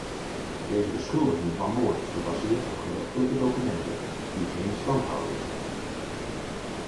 Deze beschuldiging van moord is gebaseerd op gerechtelijke documenten die geen standhouden.